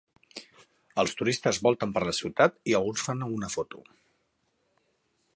Els turistes volten per la ciutat i alguns fan una foto